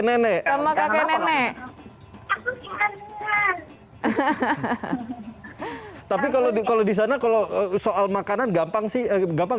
nenek sama kakek nenek tapi kalau di sana kalau soal makanan gampang sih gampang